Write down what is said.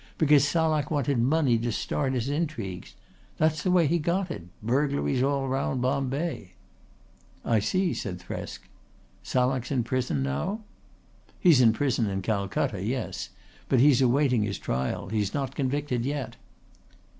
Because Salak wanted money to start his intrigues. That's the way he got it burglaries all round Bombay." "I see," said Thresk. "Salak's in prison now?" "He's in prison in Calcutta, yes. But he's awaiting his trial. He's not convicted yet."